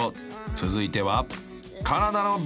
［続いては］